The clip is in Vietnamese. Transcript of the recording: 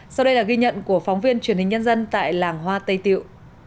sau đây là ghi nhận của phóng viên truyền hình nhân dân tại làng hoa tây tiệu